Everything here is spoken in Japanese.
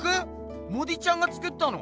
モディちゃんが作ったの？